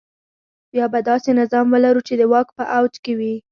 بیا به داسې نظام ولرو چې د واک په اوج کې وي.